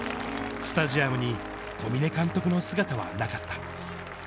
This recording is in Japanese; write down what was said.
スタジアムに小嶺監督の姿はなかった。